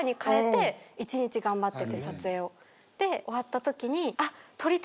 で終わったときに。